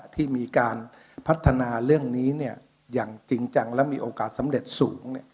ที่มีการพัฒนาเรื่องนี้อย่างจริงจังและมีโอกาสสำเร็จสูง